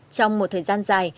trong một thời gian dài